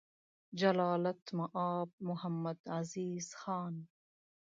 جلالتمآب محمدعزیز خان: